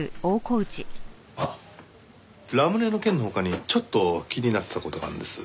あっラムネの件の他にちょっと気になってた事があるんです。